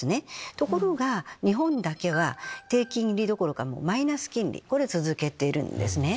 ところが日本だけは低金利どころかマイナス金利を続けてるんですね。